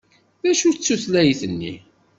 D acu-tt tutlayt-nni?